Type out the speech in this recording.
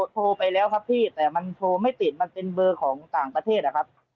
โทรไปแล้วครับพี่แต่มันโทรไม่ติดมันเป็นเบอร์ของต่างประเทศนะครับ